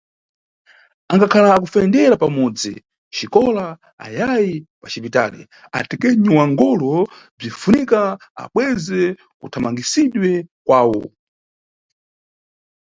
Angakhala akufendera pamudzi, xikola ayayi paxipitali, atekenyi wa ngolo bzinʼfunika abweze kathamangisidwe kawo.